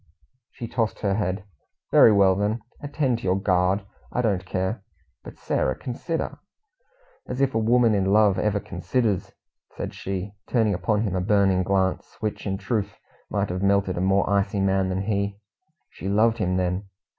She tossed her head. "Very well, then, attend to your guard; I don't care." "But, Sarah, consider " "As if a woman in love ever considers!" said she, turning upon him a burning glance, which in truth might have melted a more icy man than he. She loved him then!